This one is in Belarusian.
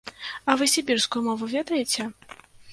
А вы сібірскую мову ведаеце?